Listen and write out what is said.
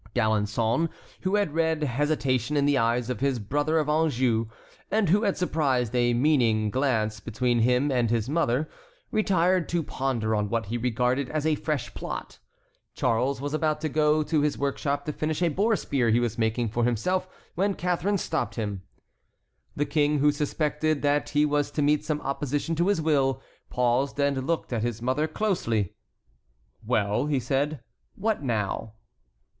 D'Alençon, who had read hesitation in the eyes of his brother of Anjou, and who had surprised a meaning glance between him and his mother, retired to ponder on what he regarded as a fresh plot. Charles was about to go to his workshop to finish a boar spear he was making for himself when Catharine stopped him. The King, who suspected that he was to meet some opposition to his will, paused and looked at his mother closely. "Well," he said, "what now?"